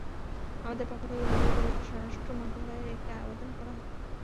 আমাদের পক্ষ থেকে বিজয় দিবসে স্বরাষ্ট্র মন্ত্রণালয়ে একটি আবেদন করা হয়।